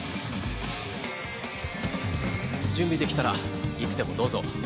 準備出来たらいつでもどうぞ。